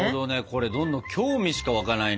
これどんどん興味しか湧かないね。